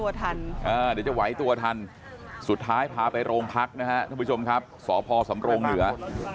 เดี๋ยวจะไหวตัวทันสุดท้ายพาไปโรงพักนะฮะท่านผู้ชมครับสพสำรงเหนือ